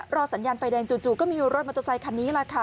สัญญาณไฟแดงจู่ก็มีรถมอเตอร์ไซคันนี้แหละค่ะ